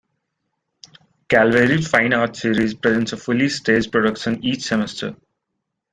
Calvary's Fine Arts Series presents a fully staged production each semester.